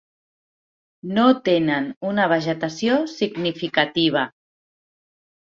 No tenen una vegetació significativa.